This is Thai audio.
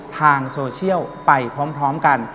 ทางโซเชียลไปพร้อมกัน